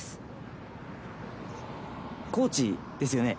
コーチですよね？